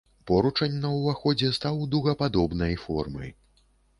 Поручань на ўваходзе стаў дугападобнай формы.